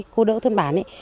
cô đỡ thân bản